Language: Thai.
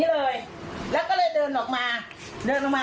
เธอก็เลยบอกว่าถึงตาเขียวใส่